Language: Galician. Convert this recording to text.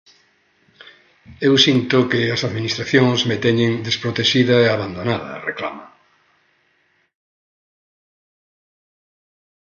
Eu sinto que as Administración me teñen desprotexida e abandonada, reclama.